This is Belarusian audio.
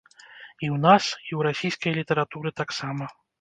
І ў нас, і ў расійскай літаратуры таксама.